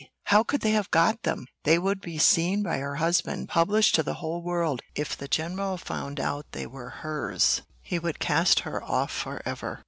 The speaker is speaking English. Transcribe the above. How could they have got them? They would be seen by her husband published to the whole world if the general found out they were hers, he would cast her off for ever.